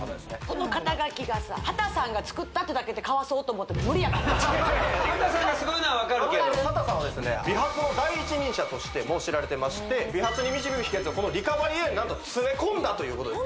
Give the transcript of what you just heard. この肩書がさ波多さんが作ったってだけで買わそうと思っても無理やからな波多さんがすごいのは分かるけど波多さんはですね美髪の第一人者としても知られてまして美髪に導く秘訣はこのリカバリーエアーに何と詰め込んだということです